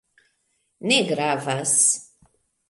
Ne gravas